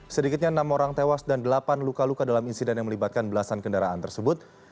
sedikitnya enam orang tewas dan delapan luka luka dalam insiden yang melibatkan belasan kendaraan tersebut